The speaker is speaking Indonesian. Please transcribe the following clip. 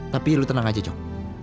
tapi lo tenang aja jok